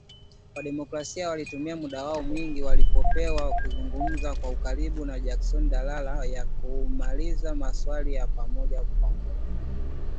Wa-Democrat walitumia muda wao mwingi waliopewa kuzungumza kwa ukaribu na Jackson, badala ya kuuliza maswali ya moja kwa moja